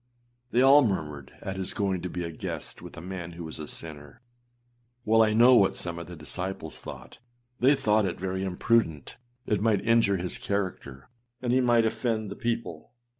â They all murmured at his going to be âa guest with a man who was a sinner.â Well, I know what some of his disciples thought: they thought it very imprudent; it might injure his character, and he might offend the people.